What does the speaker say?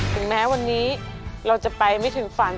ถึงแม้วันนี้เราจะไปไม่ถึงฝัน